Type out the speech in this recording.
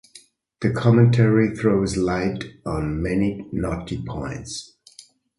The commentary throws light on many knotty points.